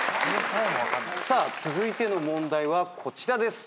さあ続いての問題はこちらです。